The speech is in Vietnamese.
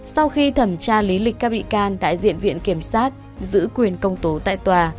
sau khi thẩm tra lý lịch các bị can đại diện viện kiểm sát giữ quyền công tố tại tòa